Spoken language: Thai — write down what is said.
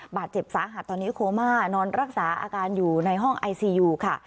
บาดเจ็บสาหัสตอนนี้โคม่านอนรักษาอาการอยู่ในห้องไอซียูค่ะ